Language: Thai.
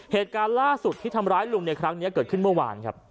เหตุการณ์ล่าสุดที่ทำร้ายลุงในครั้งนี้เกิดขึ้นเมื่อวานครับ